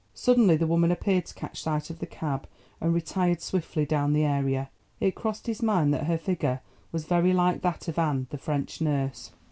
Suddenly the woman appeared to catch sight of the cab and retired swiftly down the area. It crossed his mind that her figure was very like that of Anne, the French nurse.